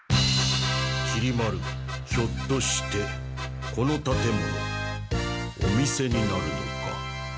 きり丸ひょっとしてこのたてものお店になるのか？